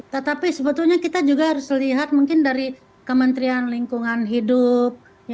tetapi sebetulnya kita juga harus lihat mungkin dari kementerian lingkungan hidup